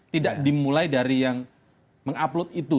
tidak dimulai dari yang mengupload itu